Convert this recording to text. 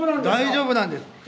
大丈夫なんです！